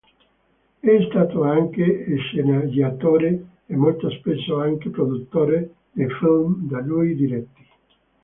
È stato anche sceneggiatore e molto spesso anche produttore dei film da lui diretti.